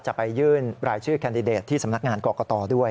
จะไปยื่นรายชื่อแคนดิเดตที่สำนักงานกรกตด้วย